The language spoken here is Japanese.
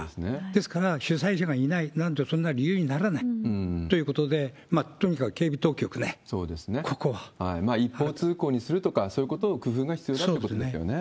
ですから、主催者がいないなんて、そんなのは理由にならないということで、とにかく警備当局ね、こ一方通行にするとか、そういうことを工夫が必要だってことですよね。